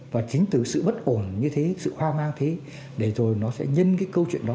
và chính từ sự bất ổn như thế sự hoang mang thế để rồi nó sẽ nhân cái câu chuyện đó